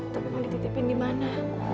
tapi boleh dititipin di mana